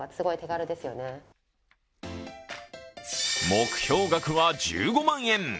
目標額は１５万円。